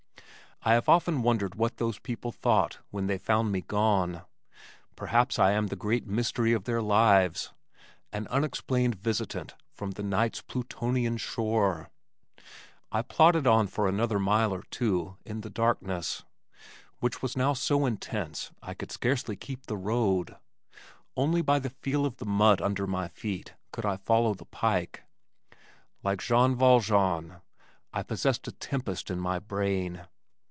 I have often wondered what those people thought when they found me gone. Perhaps I am the great mystery of their lives, an unexplained visitant from "the night's Plutonian shore." I plodded on for another mile or two in the darkness, which was now so intense I could scarcely keep the road. Only by the feel of the mud under my feet could I follow the pike. Like Jean Valjean, I possessed a tempest in my brain.